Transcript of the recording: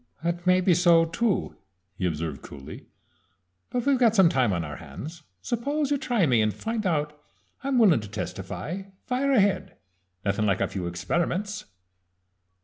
"That may be so too," he observed coolly. "But we've got some time on our hands suppose you try me and find out. I'm willin' to testify. Fire ahead nothin' like a few experiments."